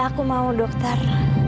aku mau dokter